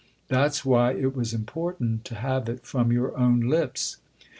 That's why it was important to have it from your own lips."